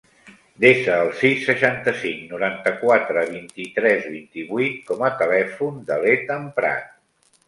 Desa el sis, seixanta-cinc, noranta-quatre, vint-i-tres, vint-i-vuit com a telèfon de l'Ethan Prat.